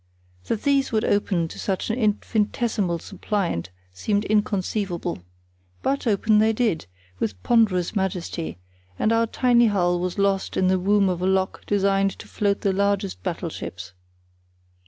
That these would open to such an infinitesimal suppliant seemed inconceivable. But open they did, with ponderous majesty, and our tiny hull was lost in the womb of a lock designed to float the largest battleships.